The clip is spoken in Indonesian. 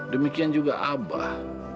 demikian juga abah